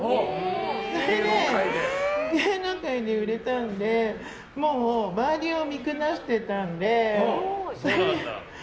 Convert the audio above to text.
それで、芸能界で売れたのでもう周りを見下していたので。